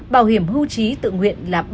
bảo hiểm hưu trí tự nguyện là